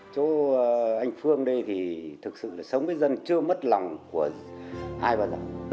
chỗ anh phương đây thì thực sự là sống với dân chưa mất lòng của ai bao giờ